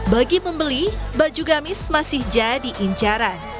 bagi pembeli baju gamis masih jadi incaran